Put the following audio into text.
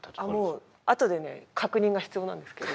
あとでね確認が必要なんですけど。